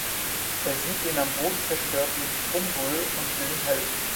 Er sieht den am Boden zerstörten Trumbull und will ihm helfen.